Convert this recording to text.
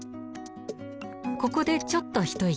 ここでちょっと一息。